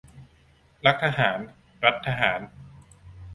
รักทหาร รัฐทหาร